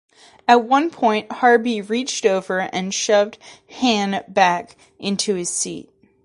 At one point, Harby "reached over" and shoved Hahn back into his seat.